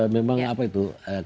memang apa itu